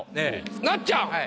なっちゃん！